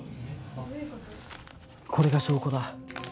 これが証拠だ。